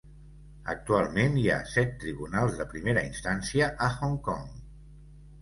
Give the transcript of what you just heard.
Actualment hi ha set tribunals de primera instància a Hong Kong.